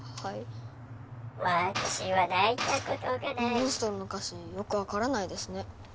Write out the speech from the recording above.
モンストロの歌詞よく分からないですね。